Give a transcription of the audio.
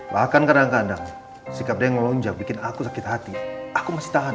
bahkan kadang kadang sikap dia yang melonjak bikin aku sakit hati aku masih tahan